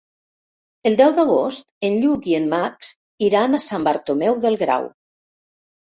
El deu d'agost en Lluc i en Max iran a Sant Bartomeu del Grau.